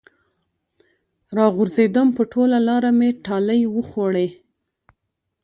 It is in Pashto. راغورځېدم په ټوله لاره مې ټالۍ وخوړې